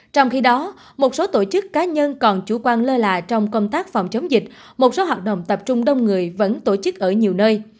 trong khi đó một số tổ chức cá nhân còn chủ quan lơ là trong công tác phòng chống dịch một số hoạt động tập trung đông người vẫn tổ chức ở nhiều nơi